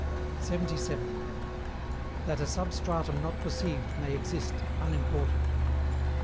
77. THAT A SUBSTRATUM NOT PERCEIVED, MAY EXIST, UNIMPORTANT.